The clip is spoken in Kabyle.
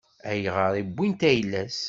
Ayɣer i wwint ayla-s?